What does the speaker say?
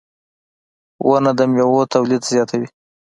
• ونه د میوو تولید زیاتوي.